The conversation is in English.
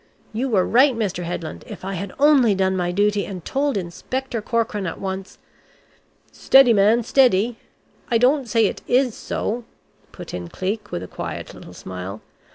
You were right, Mr. Headland, if I had only done my duty and told Inspector Corkran at once " "Steady man, steady. I don't say it is so," put in Cleek with a quiet little smile.